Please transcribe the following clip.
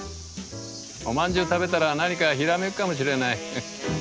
お饅頭食べたら何かひらめくかもしれない。